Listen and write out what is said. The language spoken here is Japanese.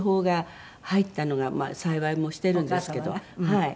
はい。